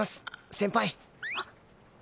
先輩。